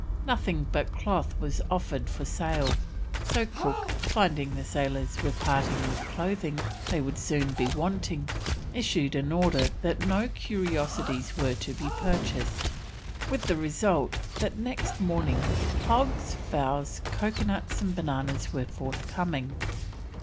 Nothing but cloth was offered for sale, so Cook, finding the sailors were parting with clothing they would soon be wanting, issued an order that no curiosities were to be purchased, with the result that next morning hogs, fowls, coconuts, and bananas were forthcoming.